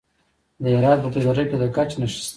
د هرات په ګذره کې د ګچ نښې شته.